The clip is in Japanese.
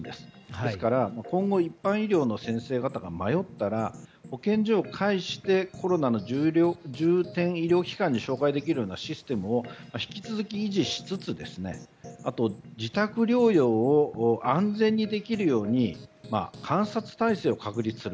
ですから今後一般医療の先生方が迷ったら、保健所を介してコロナの重点医療機関に紹介できるようなシステムを引き続き維持しつつ自宅療養を安全にできるように観察体制を確立する。